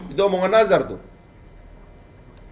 itu omongan nazar tuh